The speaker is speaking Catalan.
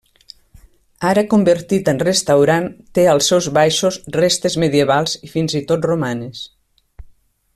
Ara convertit en restaurant, té als seus baixos restes medievals i fins i tot romanes.